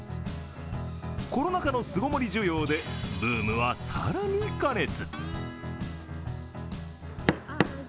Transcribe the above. コロナ禍の巣ごもり需要で、ブームは更に加熱。